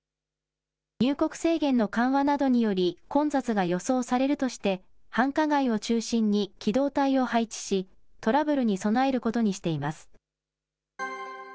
入国制限の緩和などにより、混雑が予想されるとして、繁華街を中心に機動隊を配置し、トラブルに備えることにしています。